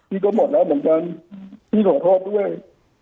พี่ก็หมดแล้วเหมือนกันด้วย